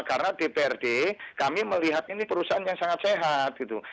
karena di prd kami melihat ini perusahaan yang sangat sehat gitu